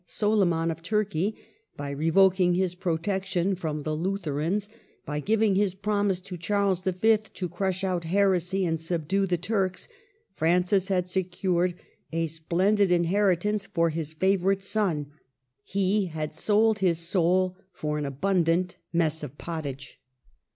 Soli man of Turkey, by revoking his protection from the Lutherans, by giving his promise to Charles V. to crush out heresy and subdue the Turks, Francis had secured a splendid inheritance for his favorite son. He had sold his soul for an abundant mess of pottage.